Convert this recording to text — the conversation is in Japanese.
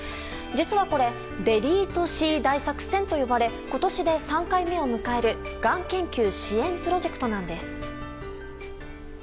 実はこれｄｅｌｅｔｅＣ大作戦と言われ今年で３回目を迎える、がん研究支援プロジェクトなんです。